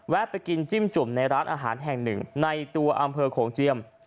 ไปกินจิ้มจุ่มในร้านอาหารแห่งหนึ่งในตัวอำเภอโขงเจียม